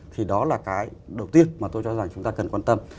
thì đó là cái đầu tiên mà tôi cho rằng chúng ta cần quan tâm